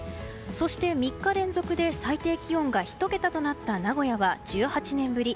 そして、３日連続で最低気温が１桁となった名古屋は１８年ぶり